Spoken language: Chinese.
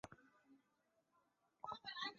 它们的叫声像小号。